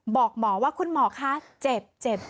บอกหมอว่าคุณหมอคะเจ็บเจ็บ